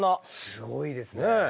すごいですね。